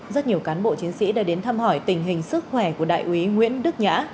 rất nhiều cán bộ chiến sĩ đã đến thăm hỏi tình hình sức khỏe của đại úy nguyễn đức nhã